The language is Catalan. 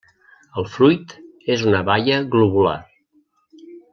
El fruit és una baia globular.